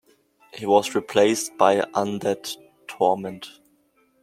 He was replaced by Undead Torment.